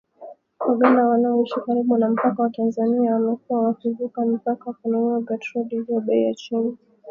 Waganda wanaoishi karibu na mpaka wa Tanzania wamekuwa wakivuka mpaka kununua petroli iliyo bei ya chini